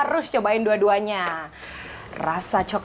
sookro burik juga pastiuksnyaaide yu dulu and john jae alisman nulark nya je